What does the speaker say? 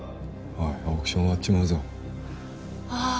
おいオークション終わっちまうぞあー